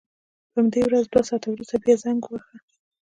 په همدې ورځ دوه ساعته وروسته بیا زنګ وواهه.